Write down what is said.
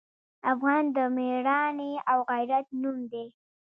افغان د میړانې او غیرت نوم دی.